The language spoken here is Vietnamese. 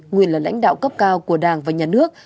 nguyên là lãnh đạo cấp cao của đảng và nhà nước